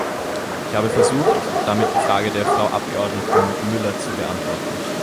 Ich habe versucht, damit die Frage der Frau Abgeordneten Müller zu beantworten.